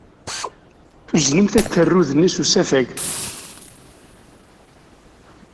Tuznemt akerrud-nni s usafag.